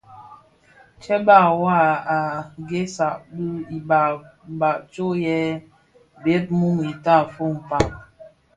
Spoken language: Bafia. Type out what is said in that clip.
Tsèba wua a ghèsèga iba tsom yè bheg mum tafog kpag.